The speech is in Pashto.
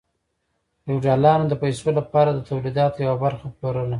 فیوډالانو د پیسو لپاره د تولیداتو یوه برخه پلورله.